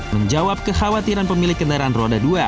menjawab kekhawatiran pemilik kendaraan roda dua